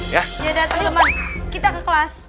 ya udah teman teman kita ke kelas